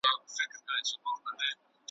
پر آغاز یمه پښېمانه له انجامه ګیله من یم ,